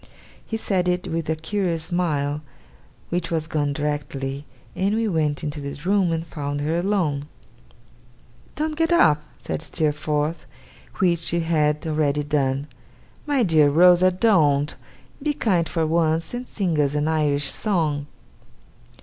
He said it with a curious smile, which was gone directly; and we went into the room and found her alone. 'Don't get up,' said Steerforth (which she had already done)' my dear Rosa, don't! Be kind for once, and sing us an Irish song.